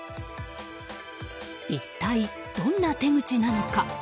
一体どんな手口なのか。